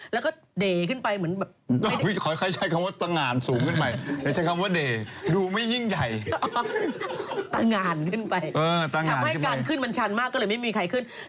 แล้วก็เด่ขึ้นไป